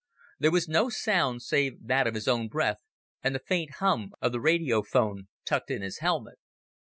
There was no sound save that of his own breath and the faint hum of the radio phone tucked in his helmet.